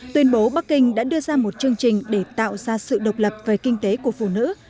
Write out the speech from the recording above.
tuyên bố bắc kinh đã đưa ra một chương trình để tạo ra sự độc lập về kinh tế của phụ nữ